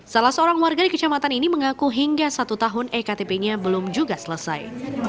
salah seorang warga di kecamatan ini mengaku hingga satu tahun ektp nya belum juga selesai